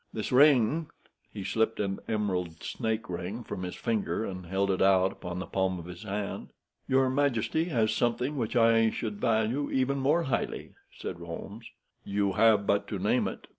This ring—" He slipped an emerald snake ring from his finger, and held it out upon the palm of his hand. "Your majesty has something which I should value even more highly," said Holmes. "You have but to name it."